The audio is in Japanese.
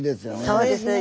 そうですね。